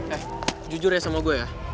eh jujur ya sama gue ya